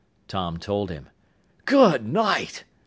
Tom told him. "Good night!"